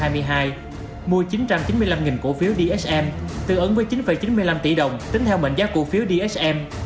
mua chín trăm chín mươi năm cổ phiếu dsm tương ứng với chín chín mươi năm tỷ đồng tính theo mệnh giá cổ phiếu dsm